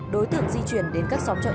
đối tượng di chuyển đến các xóm trọng